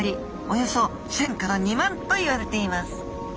およそ１，０００２万といわれています